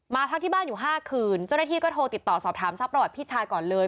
พักที่บ้านอยู่๕คืนเจ้าหน้าที่ก็โทรติดต่อสอบถามทรัพย์ประวัติพี่ชายก่อนเลย